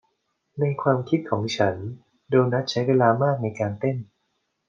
ในความคิดของฉันโดนัทใช้เวลามากในการเต้น